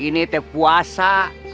ini tuh puasa